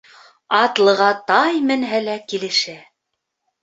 Атлыға тай менһә лә килешә.